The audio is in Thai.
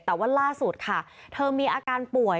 แต่ว่าล่าสุดค่ะเธอมีอาการป่วย